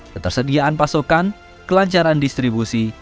ketersediaan pasokan kelancaran distribusi